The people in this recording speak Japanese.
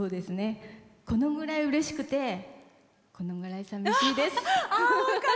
このぐらいうれしくてこのぐらいさみしいです。